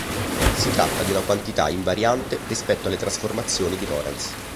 Si tratta di una quantità invariante rispetto alle trasformazioni di Lorentz.